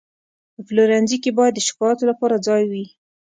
په پلورنځي کې باید د شکایاتو لپاره ځای وي.